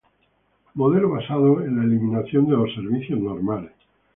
modelo basado en la eliminación de los servicios normales